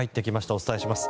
お伝えします。